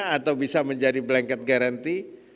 atau bisa menjadi blanket guarantee